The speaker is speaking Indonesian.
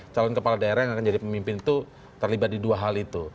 calon kepala daerah yang akan jadi pemimpin itu terlibat di dua hal itu